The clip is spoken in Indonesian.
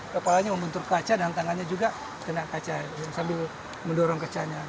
kepalanya membentur kaca dan tangannya juga kena kaca sambil mendorong kacanya